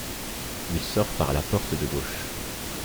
II sort par la porte de gauche.